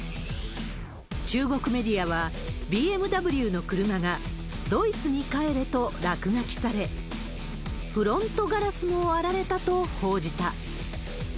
中国メディアは、ＢＭＷの車が、ドイツに帰れと落書きされ、フロントガラスも割られたと報じた。